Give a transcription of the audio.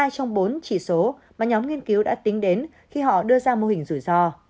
ba trong bốn chỉ số mà nhóm nghiên cứu đã tính đến khi họ đưa ra mô hình rủi ro